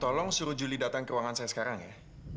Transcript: tolong suruh juli datang ke ruangan saya sekarang ya